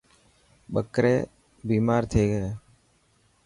ٻڪري بيمار ٿي گئي.